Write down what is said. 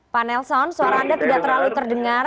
pak nelson suara anda tidak terlalu terdengar